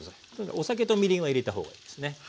お酒とみりんは入れた方がいいですね。